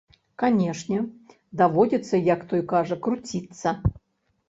Канешне, даводзіцца, як той кажа, круціцца.